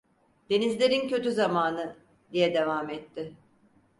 "Denizlerin kötü zamanı…" diye devam etti…